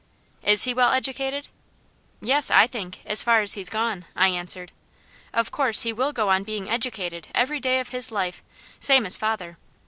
"Is he well educated?" "Yes, I think so, as far as he's gone," I answered. "Of course he will go on being educated every day of his life, same as father.